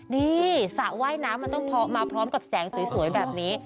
นี่สระว่ายน้ำมันต้องมาพร้อมกับแสงสวยแบบนี้